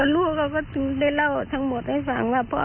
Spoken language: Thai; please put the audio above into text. แล้วที่ผ่านมา